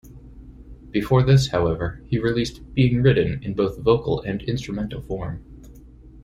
Before this, however, he released "Being Ridden" in both vocal and instrumental form.